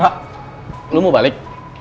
rara lo mau balik